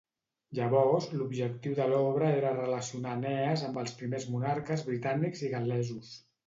Llavors, l'objectiu de l'obra era relacionar Enees amb els primers monarques britànics i gal·lesos?